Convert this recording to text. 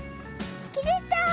きれた。